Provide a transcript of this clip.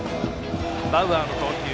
バウアーの投球。